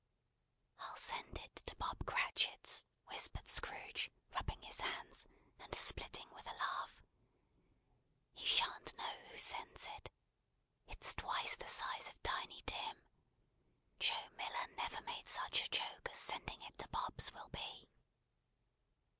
"I'll send it to Bob Cratchit's!" whispered Scrooge, rubbing his hands, and splitting with a laugh. "He sha'n't know who sends it. It's twice the size of Tiny Tim. Joe Miller never made such a joke as sending it to Bob's will be!"